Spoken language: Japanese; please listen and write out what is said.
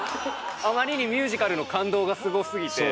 あまりにミュージカルの感動がすごすぎて。